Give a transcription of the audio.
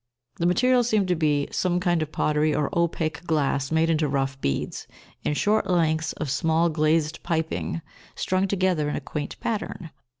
The material seemed to be some kind of pottery, or opaque glass made into rough beads, and short lengths of small glazed piping, strung together in a quaint pattern.